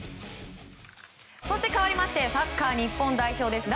そして、かわりましてサッカー日本代表です。